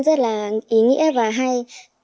rất là ý nghĩa và hay